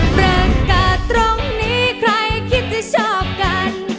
ประกาศตรงนี้ใครคิดจะชอบกัน